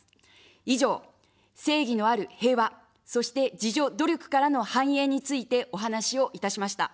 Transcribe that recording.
以上、正義のある平和、そして自助努力からの繁栄についてお話をいたしました。